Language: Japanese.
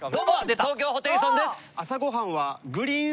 東京ホテイソンです。